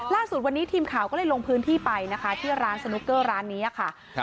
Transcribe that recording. ล่าสุดวันนี้ทีมข่าวก็เลยลงพื้นที่ไปนะคะที่ร้านสนุกเกอร์ร้านนี้ค่ะ